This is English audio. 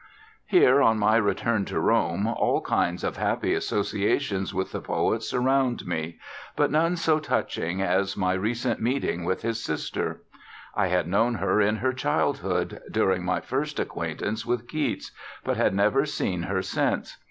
Here on my return to Rome, all kinds of happy associations with the poet surround me, but none so touching as my recent meeting with his sister. I had known her in her childhood, during my first acquaintance with Keats, but had never seen her since.